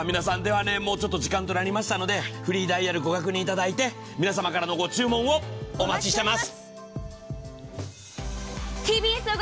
時間となりましたので、フリーダイヤルご確認いただいて皆様からのご注文をお待ちしています。